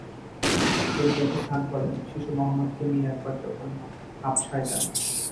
ইবনে Ishaq বলেন, শিশু মুহাম্মাদকে নিয়ে একবার যখন হাবশায় যান।